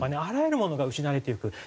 あらゆるものが失われていく。